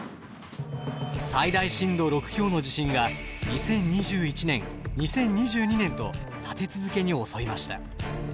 最大震度６強の地震が２０２１年２０２２年と立て続けに襲いました。